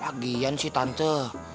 lagian sih tante